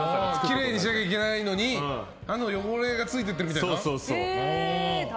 きれいにしなきゃいけないのに歯の汚れがついちゃうみたいな。